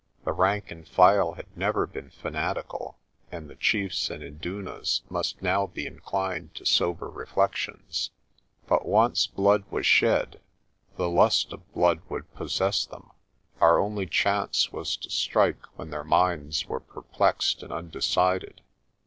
The rank and file had never been fanatical and the chiefs and indunas must now be inclined to sober reflections. But once blood was shed, the lust of blood A GREAT PERIL 261 would possess them. Our only chance was to strike when their minds were perplexed and undecided.